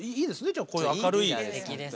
じゃあこういう明るいリーダーがね。